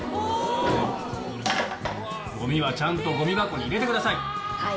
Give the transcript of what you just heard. ごみはちゃんとごみ箱に入れてください。